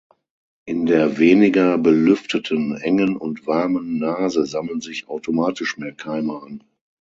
In der weniger belüfteten, engen und warmen Nase sammeln sich automatisch mehr Keime an.